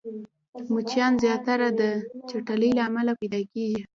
مچان زياتره د چټلۍ له امله پيدا کېږي